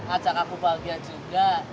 ajak aku bahagia juga